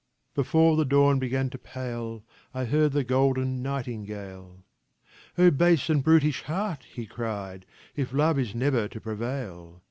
Before the dawn began to pale, I heard the golden nightingale : "O base and brutish heart!" he cried, "If love is never to prevail